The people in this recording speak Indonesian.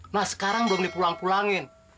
nah sekarang belum dipulang pulangin